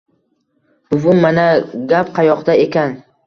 Buvim! Mana gap qayoqda ekan!